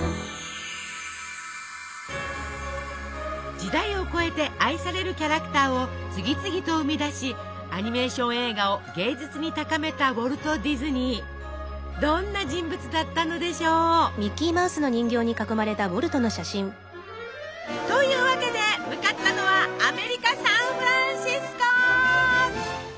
時代を超えて愛されるキャラクターを次々と生み出しアニメーション映画を芸術に高めたどんな人物だったのでしょう？というわけで向かったのはアメリカ・サンフランシスコ！